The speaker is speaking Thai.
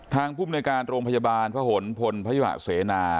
ทางผู้บริการโรงพยาบาลพระหนภนพยาเสนา